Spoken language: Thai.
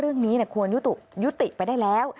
เรื่องนี้ควรยุติไปได้แล้ว